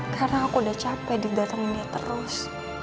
karena aku udah capek didatangin dia terus